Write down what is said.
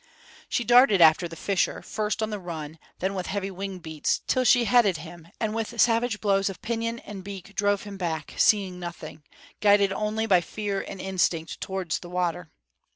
She darted after the fisher, first on the run, then with heavy wing beats, till she headed him and with savage blows of pinion and beak drove him back, seeing nothing, guided only by fear and instinct, towards the water.